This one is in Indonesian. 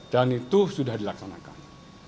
dan itu sudah dilaksanakan